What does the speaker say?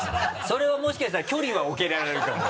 それはもしかしたら距離は置けられるかも。